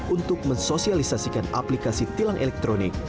untuk mensosialisasikan aplikasi tilang elektronik